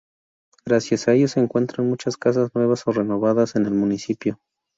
Gracias a ello se encuentran muchas casas nuevas o renovadas en el municipio.